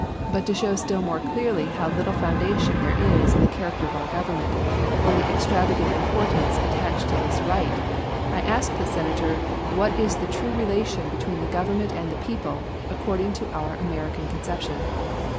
But to show still more clearly how little foundation there is in the character of our government for the extravagant importance attached to this right, I ask the Senator what is the true relation between the government and the people, according to our American conception?